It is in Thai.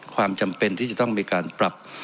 ความจำเป็นที่จะต้องมีการปรับ